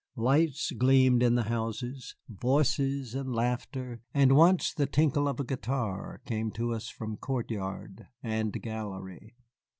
Lights gleamed in the houses; voices and laughter, and once the tinkle of a guitar came to us from court yard and gallery.